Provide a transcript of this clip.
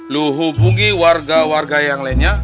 lu hubungi warga warga yang lainnya